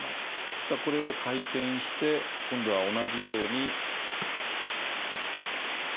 そしたらこれを回転して今度は同じように。